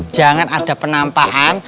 jangan ada penampakan